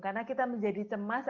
karena kita menjadi cemas